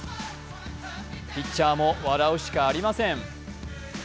ピッチャーも笑うしかありません。